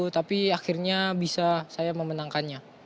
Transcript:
tapi akhirnya bisa saya memenangkannya